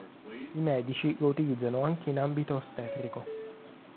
I medici lo utilizzano anche in ambito ostetrico.